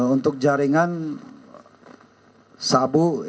untuk jaringan sabu